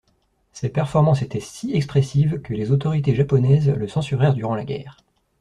Ses performances étaient si expressives que les autorités japonaises le censurèrent durant la guerre.